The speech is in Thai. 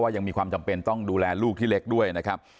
ยังมีความจำเป็นต้องดูแลลูกที่เล็กด้วยนะครับ